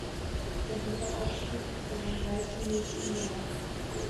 Der Wiederaufstieg gelang gleich im nächsten Jahr.